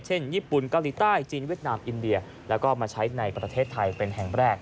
ญี่ปุ่นเกาหลีใต้จีนเวียดนามอินเดียแล้วก็มาใช้ในประเทศไทยเป็นแห่งแรก